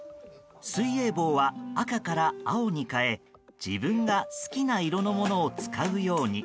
水泳帽は赤から青に変え自分が好きな色のものを使うように。